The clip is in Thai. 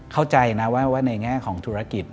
เข้าใจนะว่าในแง่ของธุรกิจ